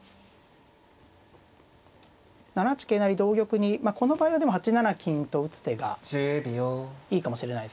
７八銀成同玉にこの場合はでも８七金と打つ手がいいかもしれないですね。